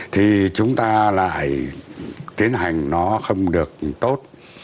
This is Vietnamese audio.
thì chúng ta lại tiến hành nó không được tốt